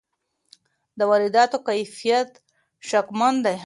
د وارداتو کیفیت شکمن دی.